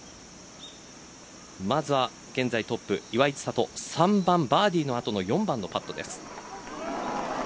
まずは現在トップ岩井千怜３番バーディーのあとの４番のパットです。